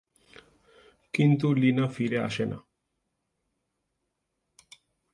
কিন্তু লীনা ফিরে আসে না।